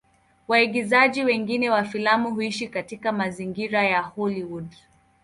Waigizaji wengi wa filamu huishi katika mazingira ya Hollywood.